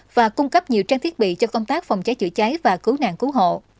và cung cấp nhiều trang thiết bị cho công tác phòng cháy chữa cháy và cứu nạn cứu hộ